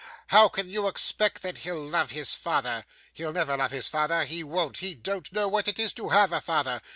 How can you expect that he'll love his father? He'll never love his father, he won't. He don't know what it is to have a father.